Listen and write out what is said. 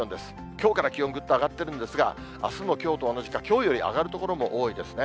きょうから気温、ぐっと上がってるんですが、あすもきょうと同じか、きょうより上がる所も多いですね。